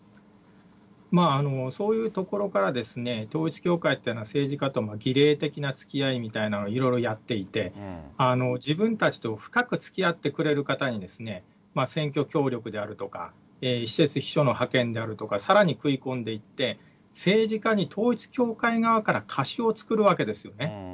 そういうところから、統一教会っていうのは政治家と儀礼的なつきあいみたいなのいろいろやっていて、自分たちと深くつきあってくれる方に選挙協力であるとか、私設秘書の派遣であるとか、さらに食い込んでいって、政治家に統一教会側から貸しを作るわけですよね。